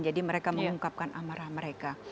jadi mereka mengungkapkan amarah mereka